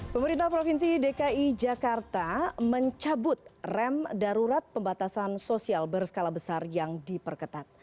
pemerintah provinsi dki jakarta mencabut rem darurat pembatasan sosial berskala besar yang diperketat